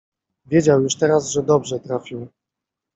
Wiedział już teraz, że dobrze trafił.